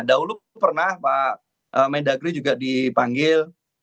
dahulu pernah pak mendagri juga dipanggil